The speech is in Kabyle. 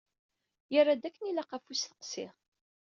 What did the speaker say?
Yerra-d akken ilaq ɣef usteqsi.